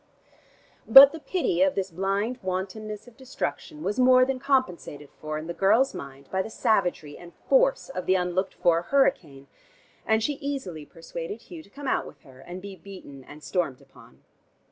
But the pity of this blind wantonness of destruction was more than compensated for in the girl's mind by the savagery and force of the unlooked for hurricane, and she easily persuaded Hugh to come out with her and be beaten and stormed upon.